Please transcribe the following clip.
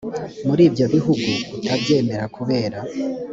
muri ibyo bihugu atabyemera kubera